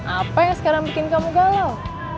apa yang sekarang bikin kamu galau